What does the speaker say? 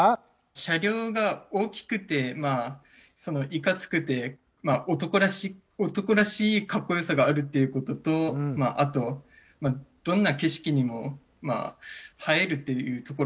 車両が大きくていかつくて男らしいかっこよさがあるっていう事とあとどんな景色にも映えるっていうところですかね。